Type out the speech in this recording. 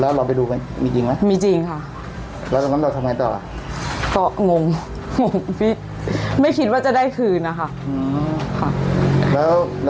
แล้วตัวนี้เขาเรียกว่าจะถามจนโชคมีสัจจัดนะ